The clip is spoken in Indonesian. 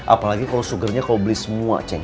apalagi kalau sugernya kau beli semua